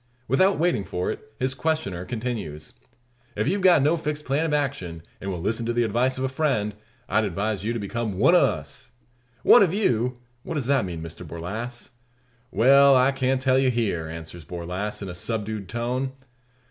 Without waiting for it, his questioner continues: "If you've got no fixed plan of action, and will listen to the advice of a friend, I'd advise you to become one o' us." "One of you! What does that mean, Mr Borlasse?" "Well, I can't tell you here," answers Borlasse, in a subdued tone.